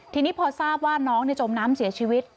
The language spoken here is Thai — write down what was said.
ทีนี้พอทราบว่าน้องจมน้ำเสียชีวิต